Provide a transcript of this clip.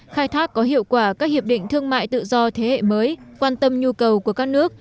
khai thác có hiệu quả các hiệp định thương mại tự do thế hệ mới quan tâm nhu cầu của các nước